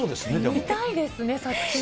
見たいですね、作品を。